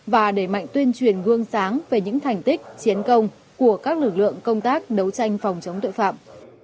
và đẩy mạnh tuyên truyền gương sáng về những thành tích chiến công của các lực lượng công tác đấu tranh phòng chống tội phạm